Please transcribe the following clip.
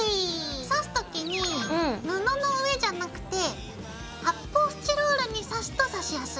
刺す時に布の上じゃなくて発泡スチロールに刺すと刺しやすい。